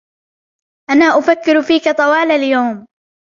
أنا أفكر فيك طوال اليوم.